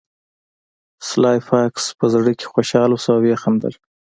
سلای فاکس په زړه کې خوشحاله شو او وخندل